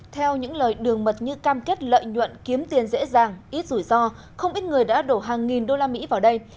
theo những lời đường mật như cam kết lợi nhuận kiếm tiền dễ dàng ít rủi ro không ít người đã đổ hàng nghìn usd vào đây